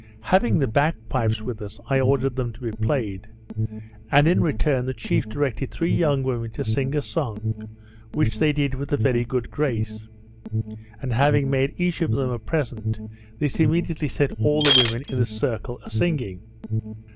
Having the bagpipes with us, I ordered them to be played; and in return, the chief directed three young women to sing a song, which they did with a very good grace; and having made each of them a present, this immediately set all the women in the circle a singing.